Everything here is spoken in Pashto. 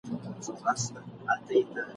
بيا به ګرم کي بزمونه !.